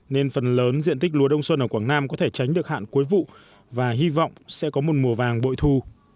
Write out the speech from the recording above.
nên phần lớn diện tích lúa đông xuân ở quảng nam có thể tránh được hạn cuối vụ và hy vọng sẽ có một mùa vàng bội thu